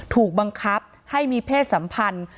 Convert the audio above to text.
ถูกบังคับให้มีเพศสัมพันธ์